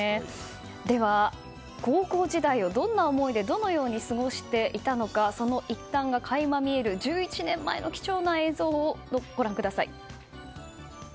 では、高校時代をどのように過ごしていたのかそのいったんが垣間見える１１年前の貴重な映像をご覧ください。